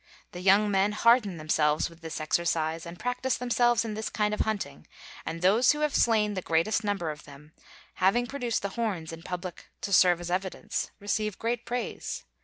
The young men harden themselves with this exercise, and practice themselves in this kind of hunting, and those who have slain the greatest number of them, having produced the horns in public to serve as evidence, receive great praise.